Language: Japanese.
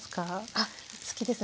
あっ好きですね。